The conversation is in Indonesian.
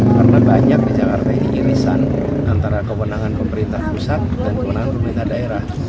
karena banyak di jakarta ini irisan antara kewenangan pemerintah pusat dan kewenangan pemerintah daerah